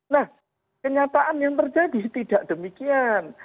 nah kenyataan yang terjadi tidak demikian